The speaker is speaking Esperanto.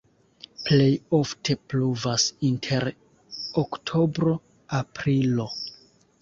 Plej ofte pluvas inter oktobro-aprilo.